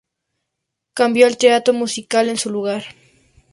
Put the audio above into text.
Cambió al teatro musical en su lugar.